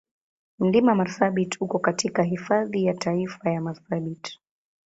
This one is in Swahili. Mlima Marsabit uko katika Hifadhi ya Taifa ya Marsabit.